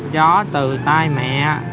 gió từ tai mẹ